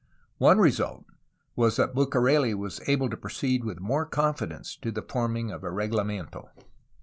One result was that Bucareli was able to proceed with more con fidence to the forming of a reglamento.